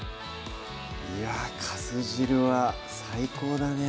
いやぁ粕汁は最高だね